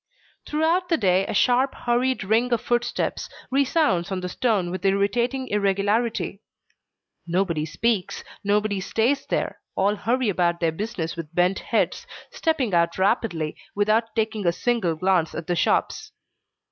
Throughout the day a sharp hurried ring of footsteps resounds on the stone with irritating irregularity. Nobody speaks, nobody stays there, all hurry about their business with bent heads, stepping out rapidly, without taking a single glance at the shops.